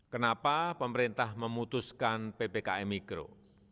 kenapa pemerintah memutuskan ppkm mikro